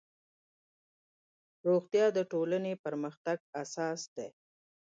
روغتیا د ټولنې د پرمختګ اساس دی